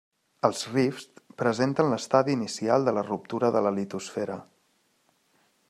Els rifts presenten l'estadi inicial de la ruptura de la litosfera.